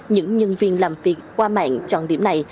những nhân viên làm việc qua mạng chọn điểm này